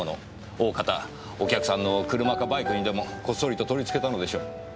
大方お客さんの車かバイクにでもこっそりと取り付けたのでしょう。